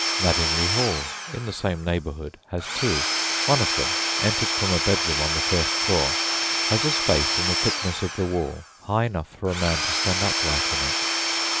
Madingley Hall, in the same neighbourhood, has two, one of them entered from a bedroom on the first floor, has a space in the thickness of the wall high enough for a man to stand upright in it.